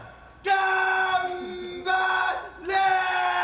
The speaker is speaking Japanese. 頑張れ！